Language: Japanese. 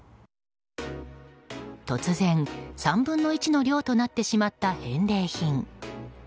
突然、３分の１の量となってしまった返礼品。